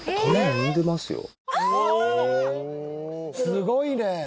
すごいね。